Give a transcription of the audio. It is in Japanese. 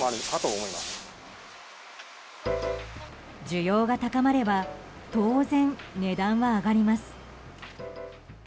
需要が高まれば当然、値段は上がります。